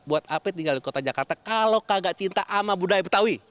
buat ape tinggal di kota jakarta kalau kagak cinta sama budaya betawi